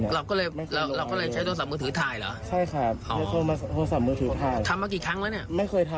เราก็เลยใช้โทรศัพท์มือถือถ่ายเหรอ